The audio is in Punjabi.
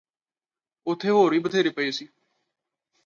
ਓਥੇ ਹੋਰ ਵੀ ਬਥੇਰੇ ਪਏ ਸੀ